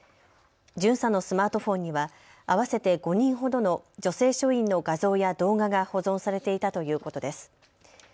巡査のスマートフォンには合わせて５人ほどの女性署員の画像や動画が保存されていたということです。